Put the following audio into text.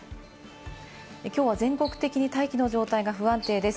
きょうは全国的に大気の状態が不安定です。